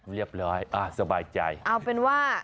เหรียบร้อยทราบใจเอาเป็นว่า